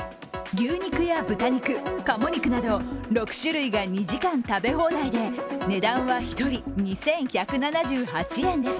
牛肉や豚肉、かも肉など６種類が２時間食べ放題で値段は１人、２１７８円です。